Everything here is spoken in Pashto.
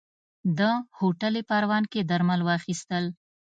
ده هوټل پروان کې درمل واخيستل.